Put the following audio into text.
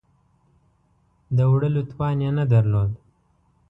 د وړلو توان یې نه درلود.